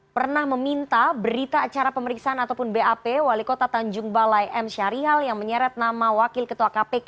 pernah meminta berita acara pemeriksaan ataupun bap wali kota tanjung balai m syarihal yang menyeret nama wakil ketua kpk